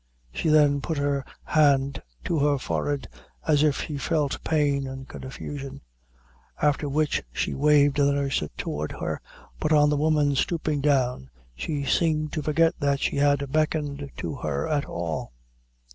She then put her hand to her forehead, as if she felt pain and confusion; after which she waved the nurse towards her, but on the woman stooping down, she seemed to forget that she had beckoned to her at all.